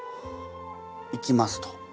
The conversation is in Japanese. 行きますと。